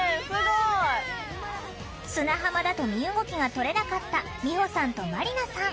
砂浜だと身動きがとれなかったみほさんとまりなさん。